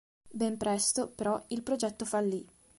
Ben presto, però, il progetto fallì.